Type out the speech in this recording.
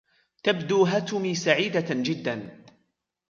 تبدو هتُمي سعيدة جداً.